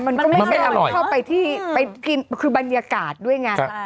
มันก็ไม่เคยเอาเข้าไปที่ไปกินคือบรรยากาศด้วยไง